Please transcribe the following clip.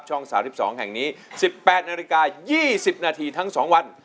ช่องเสาร์ที่๒แห่งนี้๑๘นาฬิกา๒๐นาทีทั้ง๒วัน